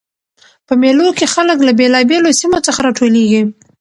په مېلو کښي خلک له بېلابېلو سیمو څخه راټولیږي.